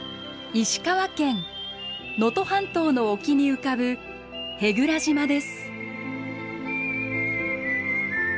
石川県能登半島の沖に浮かぶ舳倉島です。